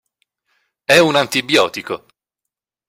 È un antibiotico.